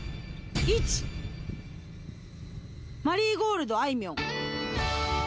１「マリーゴールド」あいみょん